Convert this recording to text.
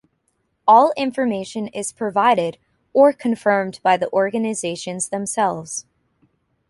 All information is provided, or confirmed, by the organizations themselves.